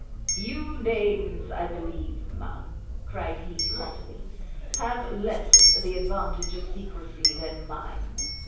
"Few names, I believe, ma'am," cried he, haughtily, "have less the advantage of secrecy than mine!